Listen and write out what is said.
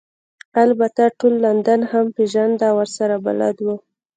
البته ټول لندن هغه پیژنده او ورسره بلد وو